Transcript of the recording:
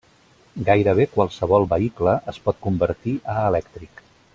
Gairebé qualsevol vehicle es pot convertir a elèctric.